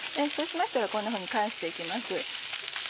そうしましたらこんなふうに返して行きます。